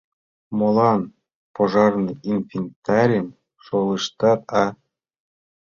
Молан пожарный инвентарьым шолыштат, а?